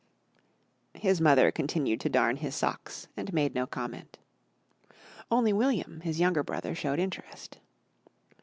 His mother continued to darn his socks and made no comment. Only William, his young brother, showed interest.